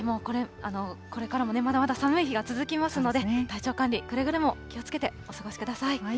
これからもね、まだまだ寒い日が続きますので、体調管理、くれぐれも気をつけてお過ごしください。